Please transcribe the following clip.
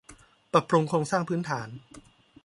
ปรับปรุงโครงสร้างพื้นฐาน